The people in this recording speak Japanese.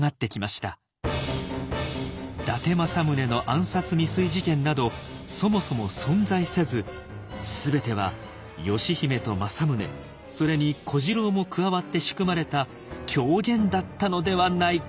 伊達政宗の暗殺未遂事件などそもそも存在せずすべては義姫と政宗それに小次郎も加わって仕組まれた狂言だったのではないか。